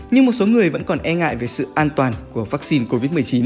nhưng một số người vẫn còn e ngại về sự an toàn của vắc xin covid một mươi chín